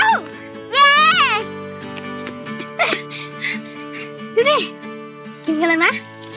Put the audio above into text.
ดูดิกินกันเลยนะ